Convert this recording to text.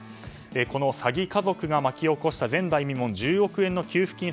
この詐欺家族が巻き起こした前代未聞１０億円の給付金